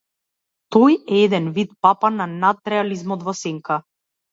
Тој е еден вид папа на надреализмот во сенка.